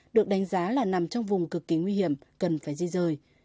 được đánh giá là nằm trong vùng cực kỳ nguy hiểm cần phải di rời